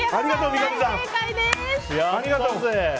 大正解です！